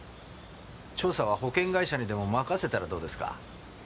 調査は保険会社にでも任せたらどうですか？